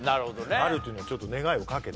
あるというのはちょっと願いをかけて。